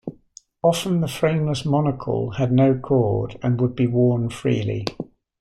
Often the frameless monocle had no cord and would be worn freely.